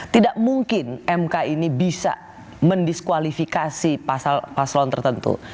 tidak mungkin mk ini bisa mendiskualifikasi pasalon tertentu